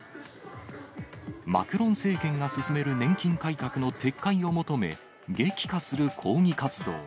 マクロン政権が進める年金改革の撤回を求め、激化する抗議活動。